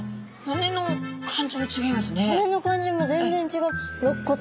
骨の感じも全然違う。